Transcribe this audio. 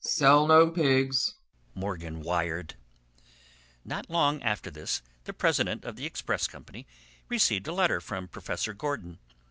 "Sell no pigs," Morgan wired. Not long after this the president of the express company received a letter from Professor Gordon.